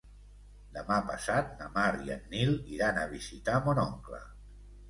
Demà passat na Mar i en Nil iran a visitar mon oncle.